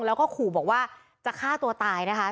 แล้วก็ขู่บอกว่าจะฆ่าตัวตายนะคะ